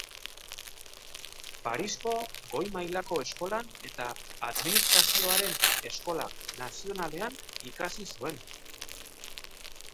Parisko Goi Mailako Eskolan eta Administrazioaren Eskola Nazionalean ikasi zuen.